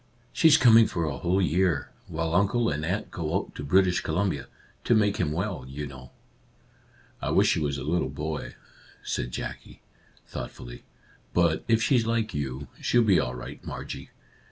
She's coming for a whole year, while uncle and aunt go out to British Columbia, — to make him well, you know." " I wish she was a little boy," said Jackie, thoughtfully. " But if she's like you, she'll be all right, Margie.